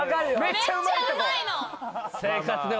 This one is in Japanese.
めっちゃうまいの。